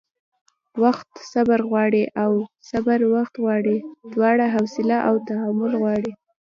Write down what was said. وخت صبر غواړي او صبر وخت غواړي؛ دواړه حوصله او تحمل غواړي